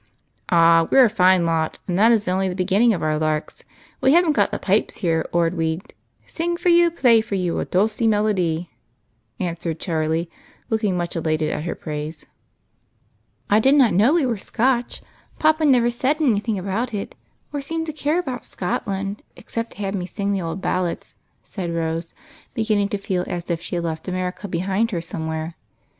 "Ah, we're a fine lot, and that is only the begin 16 EIGHT COUSINS. ning of our larks. We haven't got the pipes here or we 'd ' Sing for you, play for you A dulcy melody.' " answered Charlie, looking much elated at her praise. " I did not know we were Scotch ; papa never said any thing about it, or seemed to care about Scotland, except to have me sing the old ballads," said Rose, be ginning to feel as if she had left America behind her somewhere.